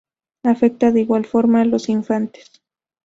Afecta de igual forma a los infantes.